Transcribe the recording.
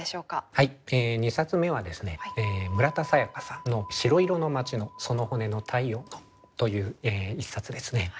２冊目はですね村田沙耶香さんの「しろいろの街の、その骨の体温の」という一冊ですね。